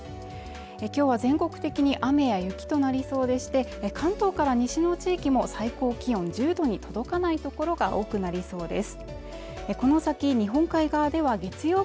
今日は全国的に雨や雪となりそうでして関東から西の地域も最高気温１０度に届かない所が多くなりそうです